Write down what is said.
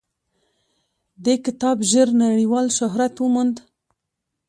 دې کتاب ژر نړیوال شهرت وموند.